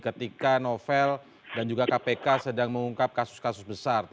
ketika novel dan juga kpk sedang mengungkap kasus kasus besar